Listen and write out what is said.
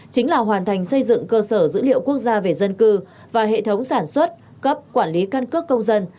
chính là hoàn thành xây dựng cơ sở dữ liệu quốc gia về dân cư và hệ thống sản xuất cấp quản lý căn cước công dân